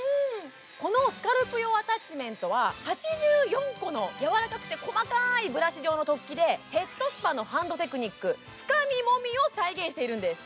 このスカルプ用アタッチメントはやわらかくて細かいブラシ状の突起で、ヘッドスパのハンドテクニック、つかみもみを体現しているんです。